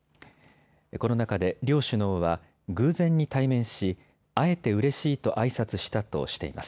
この中で両首脳は偶然に対面し、会えてうれしいとあいさつしたとしています。